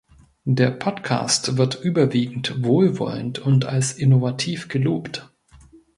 Der Podcast wird überwiegend wohlwollend und als innovativ gelobt.